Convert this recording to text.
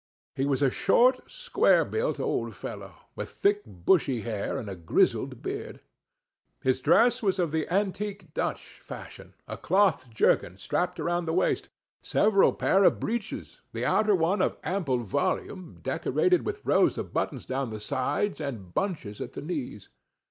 He was a short square built old fellow, with thick bushy hair, and a grizzled beard. His dress was of the antique Dutch fashion—a cloth jerkin strapped round the waist—several pair of breeches, the outer one of ample volume, decorated with rows of buttons down the sides, and bunches at the knees.